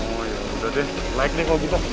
oh iya udah deh like deh kalau kita